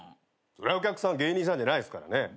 そりゃお客さんは芸人さんじゃないですからね。